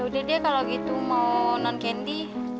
yaudah deh kalau gitu mau non candy